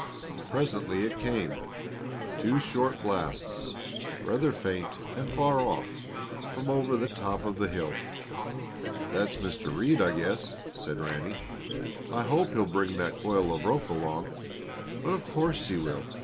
Presently it came, two short blasts, rather faint and far off, from over the top of the hill. "That's Mr. Reed, I guess," said Ranny. "I hope he'll bring that coil of rope along. But of course he will.